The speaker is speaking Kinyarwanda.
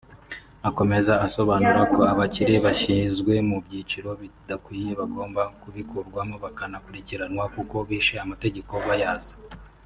Akomeza asobanura ko abakire bashyizwe mu ibyiciro badakwiye bagomba kubikurwamo bakanakurikiranwa kuko bishe amategeko bayazi